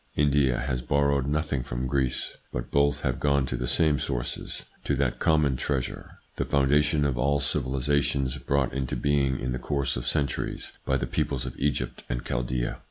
India has borrowed nothing from Greece, but both have gone to the same sources, to that common treasure, the foundation of all civilisations, brought into being in the course of centuries by the peoples of Egypt and Chaldaea.